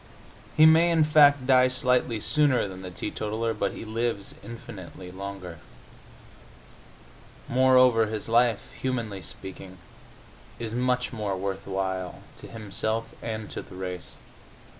He may, in fact, die slightly sooner than the teetotaler, but he lives infinitely longer. Moreover, his life, humanly speaking, is much more worth while, to himself and to the race.